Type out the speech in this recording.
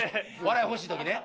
笑い欲しい時ね。